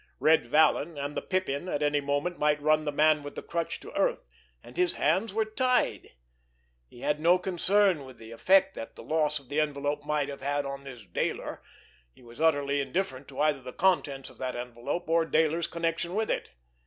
Red Vallon and the Pippin at any moment might run the Man with the Crutch to earth, and his hands were tied. He had no concern with the effect that the loss of the envelope might have had on this Dayler; he was utterly indifferent to either the contents of that envelope, or Dayler's connection with it.